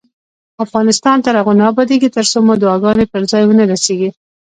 افغانستان تر هغو نه ابادیږي، ترڅو مو دعاګانې پر ځای ونه رسیږي.